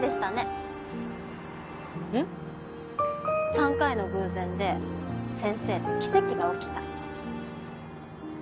３回の偶然で先生と奇跡が起きた。